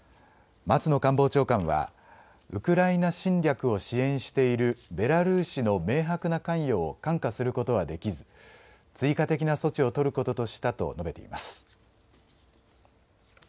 松野官房長官はウクライナ侵略を支援しているベラルーシの明白な関与を看過することはできず追加的な措置を取ることとしたと述べています。